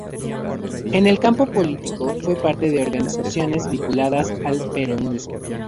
En el campo político, fue parte de organizaciones vinculadas al Peronismo.